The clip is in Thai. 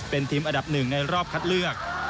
เป็นทีมอันดับหนึ่งในรอบคัดเลือก